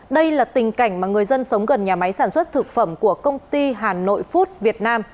đây là tình cảnh mà người dân sống gần nhà máy sản xuất thực phẩm của công ty hà nội food việt nam